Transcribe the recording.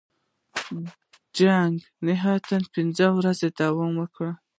جنګ نهه پنځوس ورځې دوام وکړ.